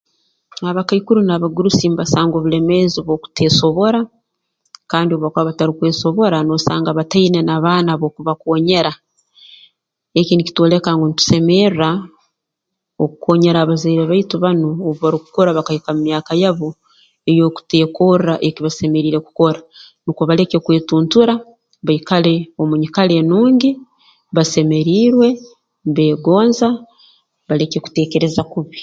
Abakaikuru n'abagurusi mbasanga obulemeezi obw'okuteesobora kandi obu bakuba batarukwesobora noosanga bataine na baana b'okubakoonyera eki nikitwoleka ngu ntusemerra okukoonyera abazaire baitu banu obu barukukura bakahika mu myaka yabo ey'okuteekorra eki basemeriire kukora nukwo baleke kwetuntura baikale omu nyikara enungi basemeriirwe mbeegonza baleke kuteekereza kubi